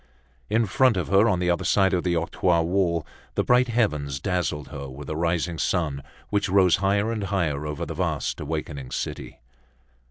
In front of her on the other side of the octroi wall the bright heavens dazzled her, with the rising sun which rose higher and higher over the vast awaking city.